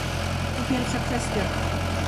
To pierwsza kwestia